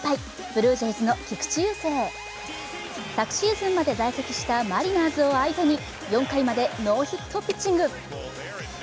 ブルージェイズの菊池雄星。昨シーズンまで在籍したマリナーズを相手に４回までノーヒットピッチング。